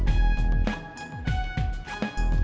tidak tidak tidak